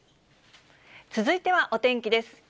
続いてはお天気です。